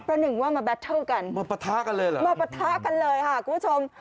หนึ่งว่ามาแบตเทิลกันมาปะทะกันเลยเหรอมาปะทะกันเลยค่ะคุณผู้ชม